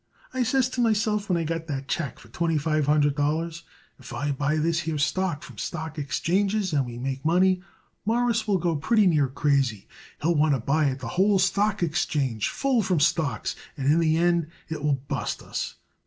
I says to myself when I got that check for twenty five hundred dollars: If I buy this here stock from stock exchanges and we make money Mawruss will go pretty near crazy. He'll want to buy it the whole stock exchange full from stocks, and in the end it will bust us.